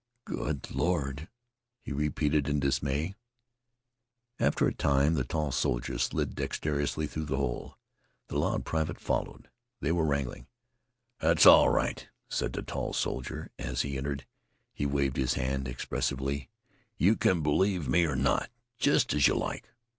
"Good Lord!" he repeated in dismay. After a time the tall soldier slid dexterously through the hole. The loud private followed. They were wrangling. "That's all right," said the tall soldier as he entered. He waved his hand expressively. "You can believe me or not, jest as you like.